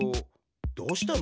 どうしたの？